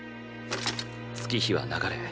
月日は流れ